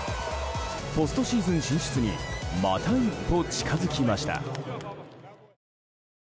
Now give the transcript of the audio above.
ポストシーズン進出にまた一歩近づきました。